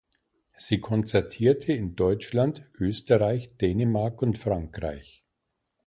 Sie konzertierte in Deutschland, Österreich, Dänemark und Frankreich.